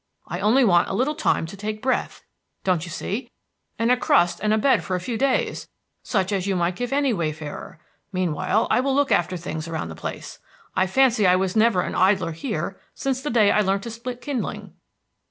I only want a little time to take breath, don't you see, and a crust and a bed for a few days, such as you might give any wayfarer. Meanwhile, I will look after things around the place. I fancy I was never an idler here since the day I learnt to split kindling."